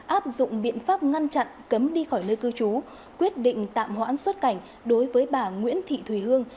áp dụng biện pháp ngăn chặn cấm đi khỏi nơi cư trú quyết định tạm hoãn xuất cảnh đối với bà nguyễn thị thùy hương